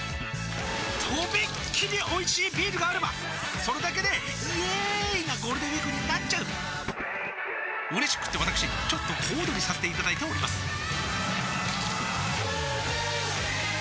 とびっきりおいしいビールがあればそれだけでイエーーーーーイなゴールデンウィークになっちゃううれしくってわたくしちょっと小躍りさせていただいておりますさあ